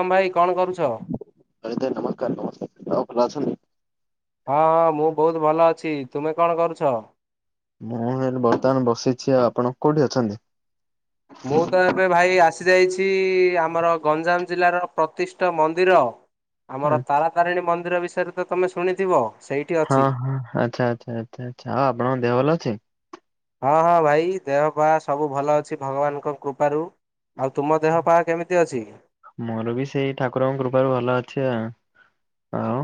ହମ ଭାଇ କଣ କରୁଛ? ଲଳିତି ଭାଇ ନମସ୍କାର ନମସ୍କାର ଆଉ ଭଲ ଅଛନ୍ତି? ହଁ ହଁ ମୁଁ ବହୁତ ଭଲ ଅଛି ତୁମେ କଣ କରୁଛ? ମୁଁ ଏହିନୁ ବର୍ତ୍ତମାନ ବସିଛି ଆଉ ଆପଣ କୋଉଠି ଅଛନ୍ତି। ମୁଁ ତ ଏବେ ଭାଇ ଆସିଯାଇଛି ଆମର ଗଞ୍ଜାମ ଜିଲ୍ଲାର ପ୍ରତିଷ୍ଠା ମନ୍ଦିର। ହଁ ଆମର ତାରାତାରିଣୀ ମନ୍ଦିର ବିଷୟରେ ତମେ ଶୁଣିଥିବ? ସେଇଠି ହଁ ଅଛି। ହଁ ଆଚ୍ଛା ଆଚ୍ଛା ଆଚ୍ଛା ଆଚ୍ଛା ଆଉ ଆପଣଙ୍କ ଦେହ ଭଲ ଅଛି? ହଁ ହଁ ଭାଇ ଦେହପା ସବୁ ଭଲ ଅଛି ଭଗବାନଙ୍କ କୃପାରୁ। ଆଉ ତୁମ ଦେହ ପାହା କେମିତି ଅଛି। ମୋର ବି ସେଇ ଠାକୁରଙ୍କ କୃପାରୁ ଭଲ ଅଛି ଆଉ। ଆଉ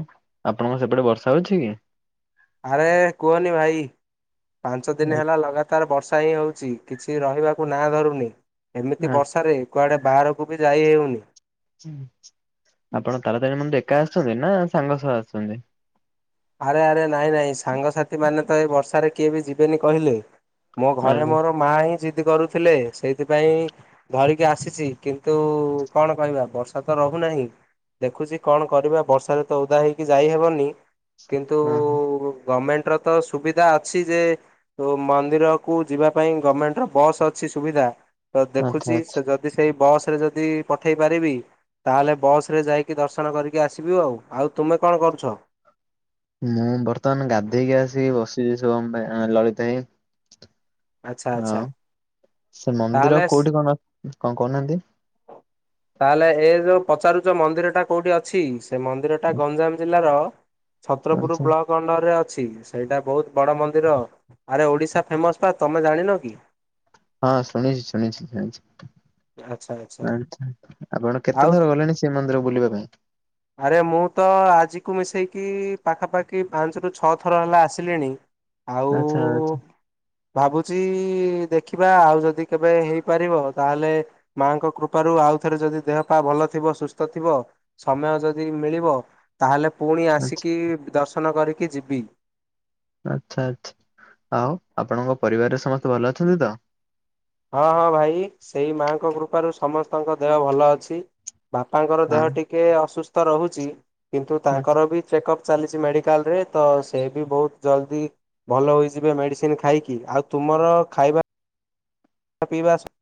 ଆପଣଙ୍କ ସେପଟେ ବର୍ଷା ଅଛି କି? ଆରେ କୁହନି ଭାଇ ପାଞ୍ଚ ଦିନ ହେଲା ଲଗା ତାର ବର୍ଷା ହିଁ ହଉଛି କିଛି ରହିବାକୁ ନାଁ ଧରୁନି ଏମିତି ଆଚ୍ଛା। ବର୍ଷାରେ ଏ କୁଆଡେ ବାହାରକୁ ବି ଯାଇ ହେଉନି। ଆପଣ ତାର ତାରେଣୀ ମନ୍ଦିର ଏକା ଆସୁଛନ୍ତି ନା ସାଙ୍ଗ ସହ ଆସିଛନ୍ତି। ଆରେ ଆରେ ନାଇଁ ନାଇଁ ସାଙ୍ଗସାଥି ମାନେ ତ ଏଇ ବର୍ଷାରେ କିଏ ବି ଯିବେନି କହିଲେ। ମୋ ଘରେ ଆଚ୍ଛା ମୋର ମା ହିଁ ଜିଦ୍ଦି କରୁଥିଲେ ସେଇଥିପାଇଁ ଧରିକି ଆସିଛି କିନ୍ତୁ କଣ କହିବା ବର୍ଷା ତ ରହୁନାହିଁ। ଦେଖୁଛି କଣ କରିବା ବର୍ଷାରେ ତ ଓଦା ହେଇକି ଯାଇହବନି। କିନ୍ତୁ ଗଭମେଣ୍ଟ ର ତ ସୁବିଧା ଅଛି ଯେ ତ ମନ୍ଦିରକୁୁ ଯିବା ପାଇଁ ଗମେଣ୍ଟ ର ବସ୍ ଅଛି ସୁବିଧା ତ ଦେଖୁଛି ଆଚ୍ଛା। ସେ ଯ ଯଦି ସେଇ ବସ ରେ ଯଦି ପଠେଇ ପାରିବି। ତାହେଲେ ବସ୍ ଯାଇକି ଦର୍ଶନ କରିକି ଆସିବୁ ଆଉ। ଆଉ ତୁମେ କଣ କରୁଛ? ମୁଁ ବର୍ତ୍ତମାନ ଗାଧେଇକି ଆସିକି ବସିଛି ଶୁଭମ୍ ଭାଇ ଲଳିତ ଭାଇ। ଆଚ୍ଛା ଆଚ୍ଛା। ଆଉ ସେ ମନ୍ଦିର ତାହେଲେ କୋଉଠି କଣ କଣ କହୁନାହାନ୍ତି? ତାହେଲେ ଏ ଯୋଉ ପଚାରୁଛ ମନ୍ଦିର ଟା କୋଉଠି ଅଛି? ସେ ମନ୍ଦିରଟା ଗଞ୍ଜାମ ଜିଲ୍ଲାର ଛତ୍ରପୁର ଆଚ୍ଛା ବ୍ଲକ। ଅଣ୍ଡରେ ଅଛି। ସେଇଟା ବହୁତ ବଡ ମନ୍ଦିର ଆରେ ଓଡିଶା ଫେମସ ବା ତମେ ଜାଣିନ କି? ହଁ ଶୁଣିଛି ଶୁଣିଛି ଶୁଣିଛି ଆଚ୍ଛା ଆଚ୍ଛା ଆଛା ଆପଣ ଆଉ କେତେ ଥର ଗଲେଣି ସେ ସେ ମନ୍ଦିର ବୁଲିବା ପାଇଁ। ଆରେ ମୁଁ ତ ଆଜିକୁ ମିଶେଇକି ପାଖାପାଖି ପାଞ୍ଚରୁ ଛଅ ଥର ହେଲା ଆସିଲିଣି। ଆଉ ଆଚ୍ଛା ଆଛା। ଭାବୁଛି ଦେଖିବା ଆଉ ଯଦି କେବେ ହେଇପାରିବ ତାହେଲେ ମାଆଙ୍କ କୃପାରୁ ଆଉ ଥରେ ଯଦି ଦେହ ପା ଭଲ ଥିବ ସୁସ୍ଥ ଥିବ। ସମୟ ଯଦି ମିଳିବ ତାହେଲେ ପୁଣି ଆଚ୍ଛା ଆସିକି ଦର୍ଶନ କରିକି ଯିବି। ଆଚ୍ଛା ଆଚ୍ଛା ଆଉ ଆପଣଙ୍କ ପରିବାରରେ ସମସ୍ତେ ଭଲ ଅଛନ୍ତି ତ। ହଁ ହଁ ଭାଇ ସେଇ ମାଆଙ୍କ କୃପାରୁ ସମସ୍ତଙ୍କ ଦେହ ଭଲ ଅଛି। ବାପାଙ୍କର ହଁ ଦେହ ଟିକେ ଅସୁସ୍ଥ ରହୁଛି କିନ୍ତୁ ଆଚ୍ଛା। ତାଙ୍କର ବି ଚେକଅପ୍ ଚାଲିଛି ମେଡ଼ିକାଲରେ ତ ସେ ବି ବହୁତ ଜଲ୍ଦି ଭଲ ହେଇଯିବେ ମେଡିସିନ ଖାଇକି ଆଉ ତୁମର ଖାଇବା ପିଇବା ସ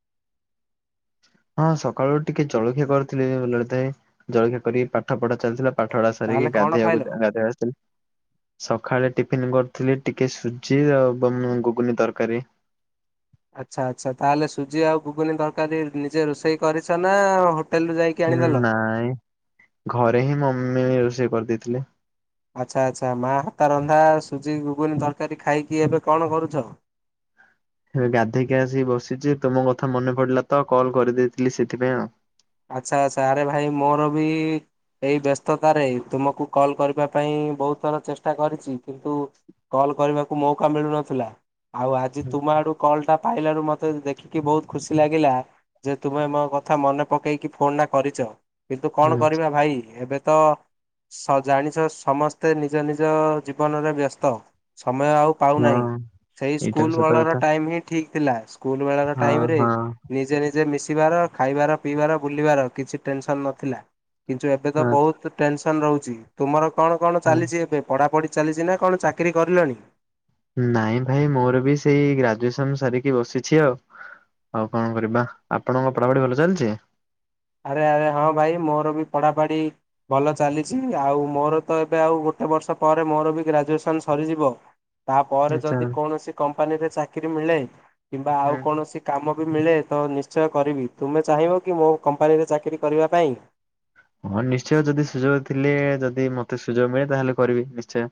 ହଁ ସକାଳୁ ଟିକେ ଜଳଖିଆ କରିଥିଲେ ଭଲ ଲାଗିଥାଏ ଜଳଖିଆ କରି ପାଠ ପଢା ଚାଲିଥିଲା। ପାଠ ପଢା ତାହେଲେ ସରିକି କଣ ଖାଇଲ? ଗାଧେଇବାକୁ ଯା ଗାଧେଇ ଆସିଥିଲି। ସଖାଳେ ଟିଫିନି କରିଥିଲି ଟିକେ ସୁଜି ଏବଂ ମୁ ଗୁଗୁନି ତରକାରୀ। ଆଚ୍ଛା ଆଚ୍ଛା। ତାହେଲେ ସୁଜି ଆଉ ଗୁଗୁନି ତରକାରୀ ନିଜେ ରୋଷେଇ କରିଛ ନା ହୋଟେଲ୍ ରୁ ଯାଇକି ହୁ ଆଣିଦେଲ? ନାଇଁ ଘରେ ହିଁ ମମି ରୋଷେଇ କରିଦେଇଥିଲେ। ଆଚ୍ଛା ଆଚ୍ଛା ମା ହାତ ରନ୍ଧା ସୁଜି ଗୁଗୁନି ତରକାରୀ ଖାଇକି ଏବେ କଣ କରୁଛ? ଏବେ ଗାଧେଇକି ଆସିକି ବସିଛି। ତମ କଥା ମନେ ପଡିଲା ତ କଲ୍ କରିଦେଇଥିଲି ସେଥିପାଇଁ ଆଉ। ଆଚ୍ଛା ଆଚ୍ଛା। ଆରେ ଭାଇ ମୋର ବି ଏଇ ବ୍ୟସ୍ତତାରେ ତୁମକୁ କଲ୍ କରିବା ପାଇଁ ବହୁତ୍ ଥର ଚେଷ୍ଟା କରିଛି। କିନ୍ତୁ କଲ୍ କରିବାକୁ ମୌକା ମିଳୁନଥିଲା। ଆଉ ଆଜି ତୁମ ଆଡୁ କଲ୍ ଟା ପାଇଲାରୁ ମତେ ଦେଖିକି ବହୁତ୍ ଖୁସି ଲାଗିଲା ଯେ ତୁମେ ମୋ କଥା ମନେ ପକେଇକି ଫୋନ୍ ଟା କରିଛ। କିନ୍ତୁ କଣ ହୁଁ କରିବା ଭାଇ ଏବେ ତ ସ ଜାଣିଛ ସମସ୍ତେ ନିଜ ନିଜ ଜୀବନରେ ବ୍ୟସ୍ତ। ସମୟ ଆଉ ହଁ ପାଉନାହିଁ। ସେହି ଏଇଟା ବି ସ୍କୁଲ୍ ସତ କଥା। ବେଳର ଟାଇମ୍ ହିଁ ଠିକ୍ ଥିଲା। ସ୍କୁଲ୍ ବେଳର ହଁ ଟାଇମ୍ ରେ ହଁ ନିଜେ ନିଜେ ମିଶିବାର ଖାଇବାର ପିଇବାର ବୁଲିବାର କିଛି ଟେନସନ୍ ନଥିଲା। କିନ୍ତୁ ଏବେ ତ ଆଚ୍ଛା। ବହୁତ୍ ଟେନସନ୍ ରହୁଛି। ତୁମର କଣ କଣ ଚାଲିଛି ଏବେ ପଢ଼ାପଢ଼ି ଚାଲିଛି ନା କଣ ଚାକିରି କରିଲଣି? ନାଇଁ ଭାଇ ମୋର ବି ସେଇ ଗ୍ରାଜୁଏସନ୍ ସାରିକି ବସିଛି ଆଉ ଆଉ କଣ କରିବା। ଆପଣଙ୍କ ପଢ଼ାପଢ଼ି ଭଲ ଚାଲିଛି। ଆରେ ଆରେ ହଁ ଭାଇ ମୋର ବି ପଢାପାଢି। ଭଲ ଚାଲିଛି। ଆଉ ମୋର ତ ଏବେ ଆଉ ଗୋଟେ ବର୍ଷ ପରେ ମୋର ବି ଗ୍ରାଜୁଏସନ୍ ସରିଯିବ। ତାପରେ ଆଚ୍ଛା ଯଦି ହୁଁ। କୌଣସି କମ୍ପାନୀରେ ଚାକିରି ମିଳେ। କିମ୍ବା ଆଉ କୌଣସି କାମ ବି ମିଳେ ତ ନିଶ୍ଚୟ କରିବି। ତୁମେ ଚାହିଁବ କି ମୋ କମ୍ପାନୀରେ ଚାକିରି କରିବା ପାଇଁ? ହଁ ନିଶ୍ଚୟ। ଯଦି ସୁଯୋଗ ଥିଲେ ଯଦି ମତେ ସୁଯୋଗ ମିଳେ ତାହେଲେ କରିବି ନିଶ୍ଚୟ।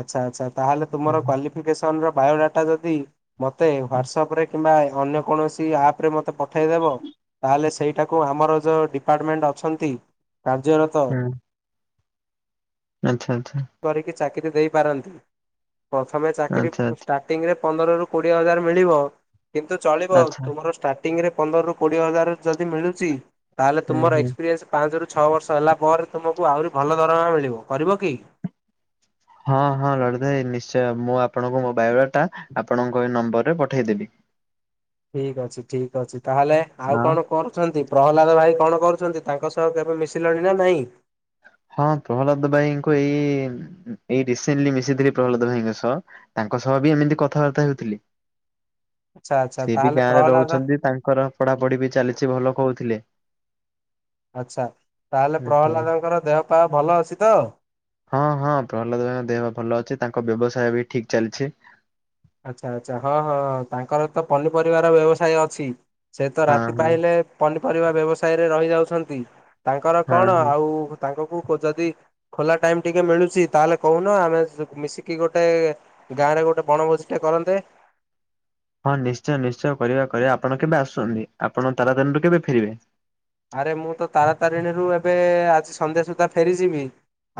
ଆଚ୍ଛା ଆଚ୍ଛା। ତାହେଲେ ହୁଁ ତୁମର କ୍ୱଲିଫିକେସନ୍ ର ବାୟୋଡାଟା ଯଦି ମୋତେ ହୁଁ ହ୍ଵାଟ୍ସଆପ୍ ରେ କିମ୍ବା ଅନ୍ୟ କୌଣସି ଆପ୍ ରେ ମୋତେ ପଠାଇଦେବ ତାହେଲେ ସେଇଟାକୁ ଆମର ଯୋଉ ଡିପାର୍ଟମେଣ୍ଟ ଅଛନ୍ତି। କାର୍ଯ୍ୟରତ ହୁଁ। ଆଚ୍ଛା ଆଚ୍ଛା। କରିକି ଚାକିରି ଦେଇପାରନ୍ତି। ପ୍ରଥମେ ଚାକିରି ଆଚ୍ଛା ଷ୍ଟାଟ୍ ଆଚ୍ଛା ଷ୍ଟାର୍ଟିଂ ରେ ପନ୍ଦର ରୁ କୋଡ଼ିଏ ହଜାର ମିଳିବ। କିନ୍ତୁ ଚଳିବ ଆଚ୍ଛା ତୁମର ଷ୍ଟାର୍ଟିଂ ଷ୍ଟାର୍ଟିଂରେ ପନ୍ଦର ରୁ କୋଡ଼ିଏ ହଜାର ଯଦି ମିଳୁଛି। ତାହେଲେ ହୁଁ ତୁମର ହୁଁ। ଏକ୍ସପିରିଏନ୍ସ ପାଞ୍ଚ ରୁ ଛଅ ବର୍ଷ ହେଲା ପରେ ତୁମକୁ ଆହୁରି ଭଲ ଦରମା ମିଳିବ। କରିବ କି? ହଁ ହଁ ଲଳିତ ଭାଇ ନିଶ୍ଚୟ। ମୁଁ ଆପଣଙ୍କୁ ମୋ ବାୟୋଡାଟା ଆପଣଙ୍କ ଏ ନମ୍ବର ରେ ପଠେଇଦେବି ଠିକ୍ ଅଛି ଠିକ୍ ଅଛି। ତାହେଲେ ଆଉ ହଁ କଣ କରୁଛନ୍ତି? ପ୍ରହ୍ଲାଦ ଭାଇ କଣ କରୁଛନ୍ତି? ତାଙ୍କ ସହ କେବେ ମିଶିଲଣି ନା ନାଇଁ? ହଁ ପ୍ରହ୍ଲାଦ ଭାଇଙ୍କୁ ଏଇ ଏଇ ରିସେଣ୍ଟଲି ମିଶିଥିଲି। ପ୍ରହ୍ଲାଦ ଭାଇ ଙ୍କ ସହ। ତାଙ୍କ ସହ ବି ଏମିତି କଥାବାର୍ତ୍ତା ହେଉଥିଲି। ଆଚ୍ଛା ଆଚ୍ଛା ସେ ବି ତାହେଲେ ଗାଁରେ ପ୍ରହ୍ଲାଦ ରହୁଛନ୍ତି। ତାଙ୍କର ପଢାପଢ଼ି ବି ଚାଲିଛି ଭଲ କହୁଥିଲେ। ଆଚ୍ଛା। ତାହେଲେ ଆଚ୍ଛା। ପ୍ରହ୍ଲାଦ ବାବୁଙ୍କର ଦେହ ପାହା ଭଲ ଅଛି ତ? ହଁ ହଁ ପ୍ରହ୍ଲାଦ ଭାଇଙ୍କ ଦେହ ଭଲ ଅଛି। ତାଙ୍କ ବ୍ୟବସାୟ ବି ଠିକ୍ ଚାଲିଛି। ଆଚ୍ଛା ଆଚ୍ଛା ହଁ ହଁ ତାଙ୍କର ତ ପନିପରିବାର ବ୍ୟବସାୟ ଅଛି। ସେ ତ ହଁ ରାତି ହଁ ପାହିଲେ ପନିପରିବା ବ୍ୟବସାୟରେ ରହିଯାଉଛନ୍ତି। ତାଙ୍କର ହଁ କଣ? ହଁ ଆଉ ତାଙ୍କକୁ ଯଦି ଖୋଲା ଟାଇମ୍ ଟିକେ ମିଳୁଛି। ତାହେଲେ କହୁନ ଆମେ ମିଶିକି ଗୋଟାଏ ଗାଁ ରେ ଗୋଟେ ବଣଭୋଜି ଟିକେ କରନ୍ତେ। ହଁ ନିଶ୍ଚୟ ନିଶ୍ଚୟ କରିବା କରିବା। ଆପଣ କେବେ ଆସୁଛନ୍ତି ଆପଣ ତାରାତାରଣୀରୁ କେବେ ଫେରିବେ? ଆରେ ମୁଁ ତ ତାରାତାରିଣୀରୁ ଏବେ ଆଜି ସନ୍ଧ୍ୟା ସୁଦ୍ଧା ଫେରିଯିବି।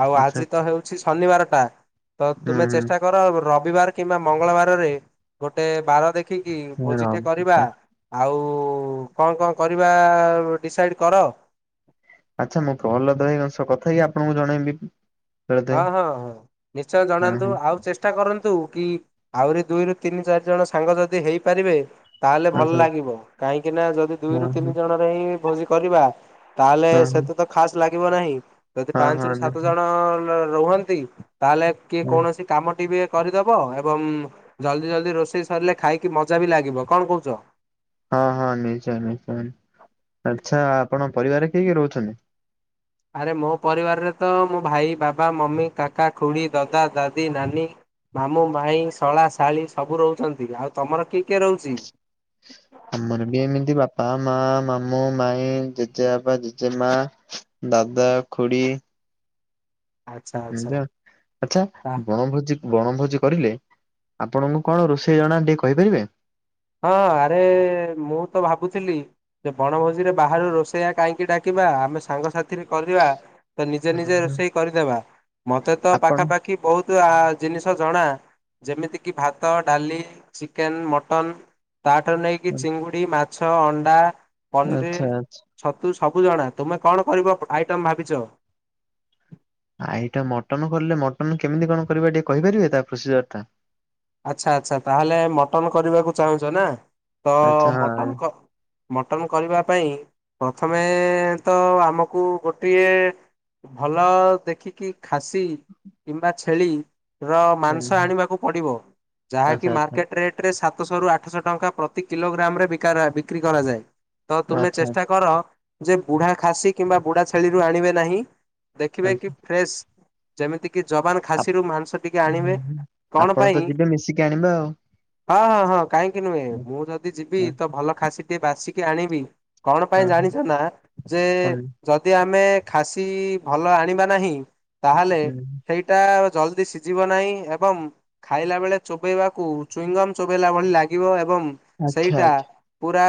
ଆଉ ଆଚ୍ଛା ଆଜି ତ ହେଉଛି ଶନିବାର ଟା। ତ ହୁଁ ତୁମେ ଚେଷ୍ଟା କର୍ ତାଙ୍କର ରବିବାର କିମ୍ବା ମଙ୍ଗଳବାରରେ ଗୋଟେ ବାର ଦେଖିକି ହୁଁ ର ଭୋଜିଟେ କରିବା। ଆଉ କଣ କଣ କରିବା ଡିସାଇଡ଼୍ କର। ଆଚ୍ଛା ମୁଁ ଫୋନ ଲଗେଇ ତାଙ୍କ ସହ କଥା ହେଇ ଆପଣଙ୍କୁ ଜଣେଇବି। ପ୍ରହ୍ଲାଦ ହଁ ଭାଇ ହଁ ନିଶ୍ଚୟ ହଁ ଜଣାନ୍ତୁ ହଁ ଆଉ ଚେଷ୍ଟା ଚେଷ୍ଟା କରନ୍ତୁ କି ଆହୁରି ଦୁଇରୁ ତିନି, ଚାରି ଜଣ ସାଙ୍ଗ ଯଦି ହେଇପାରିବେ ତା ହେଲେ ଭଲ ଆଚ୍ଛା ଲାଗିବ କାହିଁକିନା ଜଦି ହଁ ଦୁଇରୁ ହଁ ତିନି ଜଣରେ ହିଁ ଭୋଜି କରିବା ତା ହେଲେ ହଁ ସେତେ ତ ଖାସ ଲାଗିବ ନାହିଁ ଯଦି ହଁ ହଁ ହଁ ପାଞ୍ଚ ରୁ ସାତ ନିଶ୍ଚୟ। ଜଣ ରୁହନ୍ତି ତା ହେଲେ କିଏ କୌଣସି କାମଟି ବି କରିଦବ ଏବଂ ଜଲ୍ଦି ଜଲ୍ଦି ରୋଷେଇ ସରିଲେ ଖାଇକି ମଜା ବି ଲାଗିବ କଣ କୋହୁଛ? ହଁ ହଁ ନିଶ୍ଚୟ ନିଶ୍ଚୟ ଆଚ୍ଛା ଆପଣଙ୍କ ପରିବାରରେ କିଏ କିଏ ରହୁଛନ୍ତି? ଆରେ ମୋ ପରିବାର ରେ ତ ମୋ ଭାଇ, ବାବା, ମମି, କାକା, ଖୁଡ଼ି, ଦାଦା, ଦାଦି, ନାନୀ ମାମୁଁ, ମାଇଁ, ଶଳା, ଶାଳୀ ସବୁ ରହୁଛନ୍ତି। ଆଉ ତମର କିଏ କିଏ ରହୁଚି? [inaudible] ଆମର ବି ଏମିତି ବାପା, ମା, ମାମୁଁ, ମାଇଁ ଜେଜେ ବାପା, ଜେଜେ ମା ଦାଦା, ଖୁଡ଼ି। ଆଚ୍ଛା ଆଚ୍ଛା ଉଁଯା ଆଚ୍ଛା ତା ବଣଭୋଜି ବଣଭୋଜି କରିଲେ ଆପଣଙ୍କୁ କଣ ରୋସେଇ ଜଣା ଟିକେ କହିପାରିବେ? ହଁ ଆରେ ମୁଁ ତ ଭାବୁ ଥିଲି ଯେ ବଣଭୋଜି ରେ ବାହାରୁ ରୋସେଇଆ କାଇହିଁକି ଡାକିବା ଆମେ ସାଙ୍ଗସାଥି ରେ କରିବା ତ ନିଜେ ନିଜେ ଉଁ, ରୋସେଇ କରିଦେବା ମତେ ତ ଆପଣ ପାଖାପାଖି କି ବହୁତ ଆ ଜିନିଷ ଜଣା। ଜେମିତିକି ଭାଡ, ଡାଲି, ଚିକେନ୍, ମଟନ୍ ତାଠାରୁ ନେଇକି ଚିଙ୍ଗୁଡି, ମାଛ, ଅଣ୍ଡା, ପନିରି ଆଚ୍ଛା ଆଚ୍ଛା ଛତୁ ସବୁ ଜଣା ତୁମେ କଣ କରିବ ଆଇଟମ୍ ଭାବିଚ? ଆଇଟା ମଟନ୍ କଲେ ମଟନ୍ କେମିତି କଣ କରିବା ଟିକେ କହିପାରିବେ ତା ପୋସିଜର ଟା? ଆଚ୍ଛା ଆଚ୍ଛା ତାହେଲେ ମଟନ୍ କରିବାକୁ ଚାହୁଁଚ ନା ତ ଆଚ୍ଛା ମଟନ୍ ହଁ ମଟନ୍ କରିବା ପାଇଁ ପ୍ରଥମେ ତ ଆମକୁ ଗୋଟିଏ ଭଲ ଦେଖିକି ଖାଶି କିମ୍ବା ଛେଳି ର ହଁ, ମାଂସ ଆଣିବାକୁ ପଡ଼ିବ। ଜାହାକି ଆଚ୍ଛା ଆଚ୍ଛା ମାର୍କେଟ ରେଟରେ ସାତଶହ ରୁ ଆଠଶହ ଟଙ୍କା ପ୍ରତି କିଲୋ ଗ୍ରାମ ରେ ବିକ୍ରି କରାଯାଏ। ତ ତୁମେ ଆଚ୍ଛା ଚେଷ୍ଟା କର ଯେ ବୁଢା ଖାଶି କିମ୍ବା ବୁଢା ଛେଳି ରୁ ଆଣିବେ ନାହିଁ। ଦେଖିବେ କି ଫ୍ରେଶ ଜେମିତି କି ଯବାନ ଆ ଖାଶିରୁୁ ମାଂସ ଟିକେ ଆଣିବେ କଣ ଆପଣ ତ ପାଇଁ ଯିବେ ମିଶିକି ଆଣିବା ଆଉ। ହଁ ହଁ କାହିଁକି ନୁହେଁ। ହୁଁ, ମୁଁ ଯଦି ଯିବି ହୁଁ, ତ ଭଲ ଖାଶି ଟିକେ ବାଛିକି ଆଣିବି। କଣ ପାଇଁ ହୁଁ, ଜାଣିଚ ନା ଯେ କଣ ଯଦି ଆମେ ଖାଶି ଭଲ ଆଣିବା ନାହିଁ ତାହେଲେ ହୁଁ, ସେଇ ଏଟା ଜଲ୍ଦି ସିଝିବ ନାହିଁ ଏବଂ ଖାଇଲା ବେଳେ ଚୋବେଇବାକୁ ଚୁଇଙ୍ଗମ୍ ଚୋବେଇଲା ଭଳି ଲାଗିବ ଏବଂ ଆଚ୍ଛା ସେଇଟା ଆଚ୍ଛା ପୁରା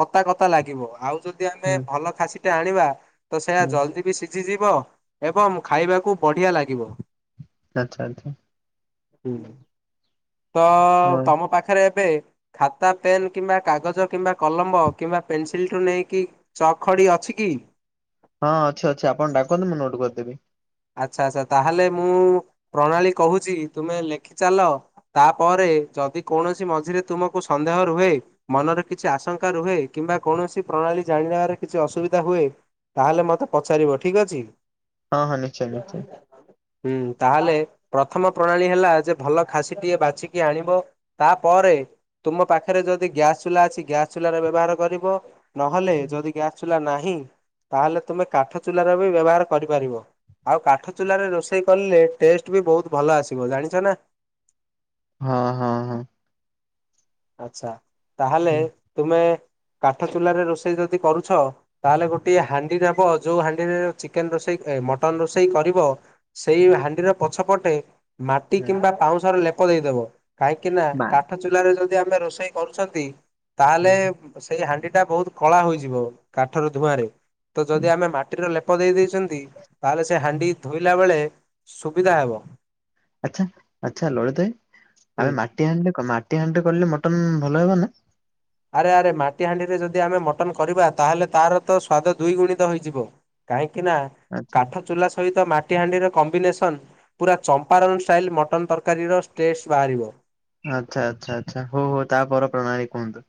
କତା କତା ଲାଗିବ ଆଉ ଯଦି ଆମେ ହୁଁ ଭଲ ଖାଶି ଟା ଆଣିବା ତ ସେୟା ହୁଁ ହୁଁ, ଜଲ୍ଦି ବି ସିଝି ଯିବ ଏବଂ ଖାଇବାକୁ ବଢ଼ିଆ ଲାଗିବ। ଆଚ୍ଛା ଆଛା। ହିଁ ତ ହଁ। ତମ ପାଖରେ ଏବେ ଖାତା ପେନ୍ କିମ୍ବା କାଗଜ କିମ୍ବା କଲମ କିମ୍ବା ପେନସିଲ ଠୁ ନେଇକି ଚ ଖଡ଼ି ଅଛି କି? ହଁ ଅଛି ଅଛି ଆପଣଡାନ୍ତୁ ମୁ ନୋଟ୍ କରିଦେବି। ଆଚ୍ଛା ଆଚ୍ଛା ତାହେଲେ ମୁଁ ପ୍ରଣାଳୀ କହୁଚି ତୁମେ ଲେଖିଚାଲ। ତାପରେ ଯଦି କୌଣସି ମଝିରେ ତୁମକୁ ସନ୍ଦେହ ରୁହେ ମନରେ କିଛି ଆଶଙ୍କା ରୁହେ କିମ୍ବା କୌଣସି ପ୍ରଣାଳୀ ଜାଣ ନେବାରେ କିଛି ଅସୁବିଧା ହୁଏ ତା ହେଲେ ମତେ ପଚାରିବ ଠିକ୍ ଅଛି। ହଁ ହଁ ନିଶ୍ଚୟ ନିଶ୍ଚୟ। ହୁଁ ତାହଲେ ପ୍ରଥମ ପ୍ରଣାଳୀ ହେଲା ଯେ ଭଲ ଖାଶି ଟିଏ ବାଛିକି ଆଣିବ। ତାପରେ ତୁମ ପାଖରେ ଯଦି ଗ୍ୟାସ୍ ଚୁଲା ଅଛି ଗ୍ୟାସ୍ ଚୁଲ ର ବ୍ୟବହାର କରିବ। ନହେଲେ ଯଦି ଗ୍ୟାସ୍ ଚୁଲା ନାହିଁ ତାହେଲେ ତୁମେ କାଠ ଚୁଲାର ବି ବ୍ୟବହାର କରିପାରିବ। ଆଉ କାଠ ଚୁଲାରେ ରୋଷେଇ କଲେ ଟେଷ୍ଟ ବି ବହୁତ ଭଲ ଆସିବ। ଜାଣିଚ ନା ହଁ ହଁ ହଁ। ଆଛା ହୁଁ ତାହଲେ ତୁମେ କାଠ ଚୁଲାରେ ରୋଷେଇ ଯଦି କରୁଛ ତାହେଲେ ଗୋଟିଏ ହାଣ୍ଡି ନେବ ଯୋଉ ହାଣ୍ଡିରେ ଚିକେନ ରୋଷେଇ ଏ ମଟ ଟନ ରୋଷେଇ କରିବ ସେଇ ହାଣ୍ଡିର ପଛ ପଟେ ମାଟି କିମ୍ବା ପାଉଁଶର ଲେପ ଦେଇଦବ। କାହିଁକି ନା ମା କାଠ ଚୁଲାରେ ଯଦି ଆମେ ରୋଷେଇ କରୁଚନ୍ତି ତାହେଲେ ହୁଁ ସେଇ ହାଣ୍ଡି ଟା ବହୁତ କଳା ହେଇଯିବ କାଠର ଧୂଆଁରେ ତ ହୁଁ ଯଦି ଆମେ ମାଟିରେ ଲ ଦେଇ ଦେଇଚନ୍ତି ତାହେଲେ ସେ ହାଣ୍ଡି ଧୋଇଲା ବେଳେ ସୁବିଧା ହେବ। ଆଚ୍ଛା ଆଛା ଲଳିିତ ଆଇ ହୁଁ। ଆମେ ମାଟି ହାଣେ କ ମାଟି ହାଣ୍ଡି ରେ କଲେ ମଟନ ଭଲ ହେବ ନା? ଆରେ ଆରେ ମାଟି ହାଣ୍ଡିରେ ଯଦି ଆମେ ମଟନ କରିବା ତାହେଲେ ତାର ତ ସ୍ଵାଦ ଦୁିଗୁଣିତ ହୋଇଯିବ। କାହିଁକି ନା ଆଚ୍ଛା କାଠ ଚୁଲା ସହିତ ମା ଟି ହାଣ୍ଡିର କମ୍ବିନେସନ୍ ପୁରା ଚମ୍ପାରନ୍ ଷ୍ଟାଇଲ୍ ମଟନ୍ ତରକାରୀର ଟେଷ୍ଟ ବାହାରିବ। ଆଚ୍ଛା ଆଛା ଆଚ୍ଛା ହଉ ହଉ ତା ପର ପ୍ରଣାଳୀ କୁହନ୍ତୁ।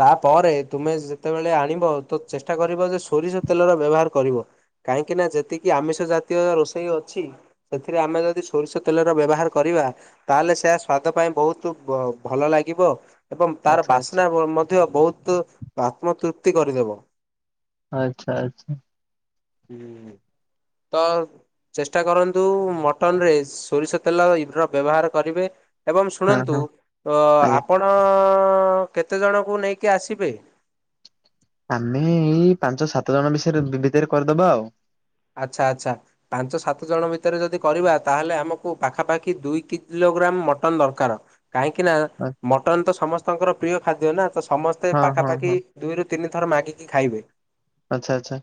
ତାପରେ ତୁମେ ଯେତେବେଳେ ଆଣିବ ତ ଚେଷ୍ଟା କରିବ ଯେ ସୋରିଷ ତେଲର ବ୍ୟବହାର କରିବ। କାହିଁକି ନା ଯେତିକି ଆମିଷ ଜାତୀୟ ରୋଷେଇ ଅଛି ସେଥିରେ ଆମେ ଯଦି ସୋରିଷ ତେଲର ବ୍ୟବହାର କରିବା ତାହେଲେ ସେୟା ସ୍ଵାଦ ପାଇଁ ବହୁତ ଭଲ ଲାଗିବ ଏବଂ ତାର ଆଚ୍ଛା ଆଚ୍ଛା ବାସ୍ନା ମଧ୍ୟ ବହୁତ ଆତ୍ମତୃପ୍ତି କରିଦେବ। ଆଚ୍ଛା ଆଚ୍ଛା। ହଁ ତ ଚେଷ୍ଟା କରନ୍ତୁ ମଟନ ରେ ସୋରିଷ ତେଲ ଏ ର ବ୍ୟବହାର କରିବେ। ଏବଂ ହଁ ଶୁଣନ୍ତୁ ହଁ ଆଜ୍ଞା ଆପଣ କେତେଜଣଙ୍କୁ ନେଇକି ଆସିବେ? ଆମେ ଏଇ ପାଞ୍ଚ ସାତ ଜଣ ବିଷୟରେ ଭିତରେ କରିଦବା ଆଉ। ଆଚ୍ଛା ଆଚ୍ଛା। ପାଞ୍ଚ ସାତ ଜଣ ଭିତରେ ଯଦି କରିବା ତାହେଲେ ଆମକୁ ପାଖାପାଖି ଦୁଇ କିଲୋଗ୍ରାମ ମଟନ ଦରକାର। କାହିଁକି ନା ମଟନ୍ ତ ସମସ୍ତଙ୍କର ପ୍ରିୟ ଖାଦ୍ୟ ନା ତ ସମସ୍ତେ ହଁ ହଁ ପାଖାପାଖି ହଁ ଦୁଇରୁ ତିନି ଥର ମାଗିକି ଖାଇବେ। ଆଚ୍ଛା ଆଛା।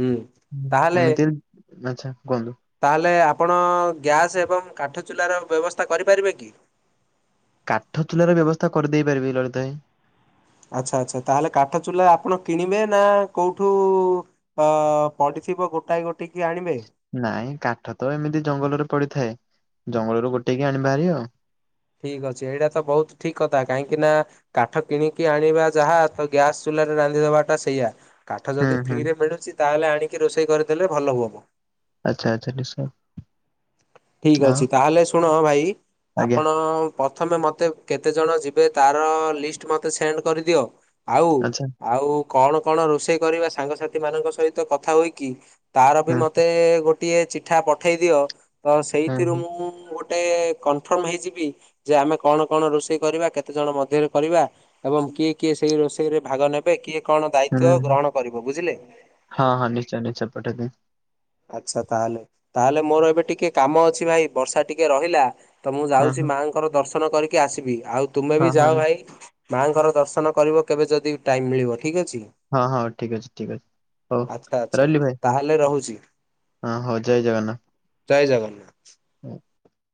ହୁଁ। ତାହେଲେ ଏମିତି ଆଚ୍ଛା କୁହନ୍ତୁ। ତାହେଲେ ଆପଣ ଗ୍ୟାସ୍ ଏବଂ କାଠ ଚୁଲାର ବ୍ୟବସ୍ଥା କରିପାରିବେ କି? କାଠ ଚୁଲାର ବ୍ୟବସ୍ଥା କରିଦେଇ ପାରିବି ଲଳିତ ଭାଇ। ଆଚ୍ଛା ଆଚ୍ଛା ତାହେଲେ କାଠ ଚୁଲା ଆପଣ କିଣିବେ ନା କୋଉଠୁ ଅ, ପଡିିଥିବ ଗୋଟାଏ ଗୋଟି କି ଆଣିବେ ନାଇଁ କାଠ ତ ଏମିତି ଜଙ୍ଗଲରେ ପଡିଥାଏ ଜଙ୍ଗଲରୁ ଗୋଟେଇକି ଆଣି ବାହାରି ଆଉ। ଠିକ ଅଛି ଏଇଟା ତ ବହୁତ ଠିକ କଥା, କାହିଁକି ନା କାଠ କିଣିକି ଆଣିବା ଯାହା ତ ଗ୍ୟାସୂ ଚୁଲାରେ ରାନ୍ଧିଦବା ଟା ସେଇଆ। କାଠ ହୁଁ ଯଦି ହୁଁ ଫ୍ରିରେ ମିଳୁଛି ତାହେଲେ ଆଣିକି ରୋଷେଇ କରିଦେଲେ ଭଲ ହୁଅନ୍ତା। ଆଚ୍ଛା, ଆଚ୍ଛା ନିଶ୍ଚୟ। ଠିକ୍ ଆଉ ଅଛି, ତାହେଲେ ଶୁଣ ଭାଇ ଆଜ୍ଞା ଆପଣ ପ୍ରଥମେ ମୋତେ କେତେ ଜଣ ଯିବେ ତାର ଲିଷ୍ଟ ମୋତେ ସେଣ୍ଡ୍ କରିଦିଅ। ଆଉ ଆଚ୍ଛା ଆଉ କଣ କଣ ରୋଷେଇ କରିବା ସାଙ୍ଗସାଥି ମାନଙ୍କ ସହିତ କଥା ହୋଇକି ତାର ବି ହୁଁ ମୋତେ ଗୋଟିଏ ଚିଠା ପଠେଇଦିଅ ତ ହୁଁ ସେଇଥିରୁ ହୁଁ ମୁଁ ଗୋ ଟେ କନଫର୍ମ ହେଇଯିବି ଯେ ଆମେ କଣ କଣ ରୋଷେଇ କରିବା? କେତେ ଜଣ ମଧ୍ୟରେ କରିବା ଏବଂ କିଏ କିଏ ସେଇ ରୋଷେଇରେ ଭାଗ ନେ ବେ କିଏ କଣ ହୁଁ ଦାୟିତ୍ଵ ହୁଁ। ଗ୍ରହଣ କରିବୁ ବୁଝିଲେ। ହଁ, ହଁ ନିଶ୍ଚୟ ନିଶ୍ଚୟ ପଠେଇଦେ। ଆଚ୍ଛା ତାହେଲେ, ତାହେଲେ ମୋର ଏବେ ଟିକେ କାମ ଅଛି ଭାଇ ବର୍ଷା ଟିକେ ରହିଲା। ତ ମୁଁ ହଁ ଯାଉଛି ହଁ ମାଆଙ୍କର ଦର୍ଶନ କରିକି ଆସିବି, ଆଉ ତୁମେ ହଁ ବି ହଁ ଯାଅ ଭାଇ। ମାଆଙ୍କର ଦର୍ଶନ କରିବ କେବେ ଯଦି ଟାଇମ୍ ମିଳିବ ଠିକ୍ ଅଛି। ହଁ, ହଁ ଠିକ ଅଛି, ଠିକ ଅଛି, ହଉ ରହିଲି ଭାଇ। ହେଲେ ରହୁଛି। ହଁ ହଉ ଜୟ ଜଗନ୍ନା ଜୟ ଜଗନ୍ନା ହୁଁ,